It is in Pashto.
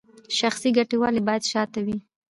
شخصي ګټې ولې باید شاته وي؟